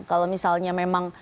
kalau misalnya memang